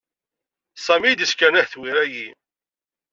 Sami i d isekren ahetwir-agi.